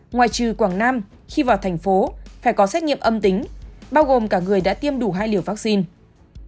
ngoại trừ quảng nam khi vào thành phố phải có xét nghiệm âm tính bao gồm cả người đã tiêm đủ hai liều vaccine